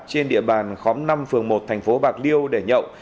trên địa bàn khóm năm phường một thành phố bạc liêu để nhậu